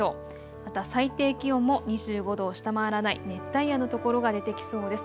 また最低気温も２５度を下回らない熱帯夜の所が出てきそうです。